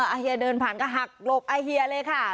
อาเฮียเดินผ่านก็หักหลบไอเฮียเลยค่ะ